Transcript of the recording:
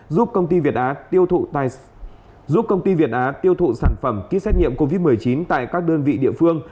giúp công ty việt á tiêu thụ sản phẩm ký xét nghiệm covid một mươi chín tại các đơn vị địa phương